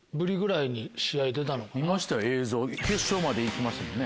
見ましたよ映像決勝まで行きましたよね。